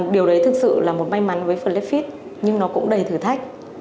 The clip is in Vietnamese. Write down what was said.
điều đấy thực sự là một may mắn với blackfeet nhưng nó cũng đầy thử thách